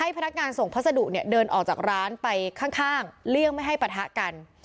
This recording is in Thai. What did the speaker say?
พนักงานส่งพัสดุเนี่ยเดินออกจากร้านไปข้างเลี่ยงไม่ให้ปะทะกัน